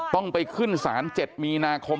ต้องไปขึ้นศาล๗มีนาคม